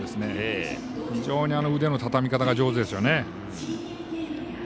非常に腕のたたみ方が上手ですよね。